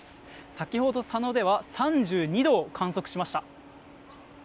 先ほど、佐野では３２度を観測しました。